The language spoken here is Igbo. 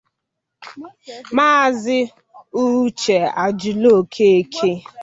Maazị Uche Ajulu-Okeke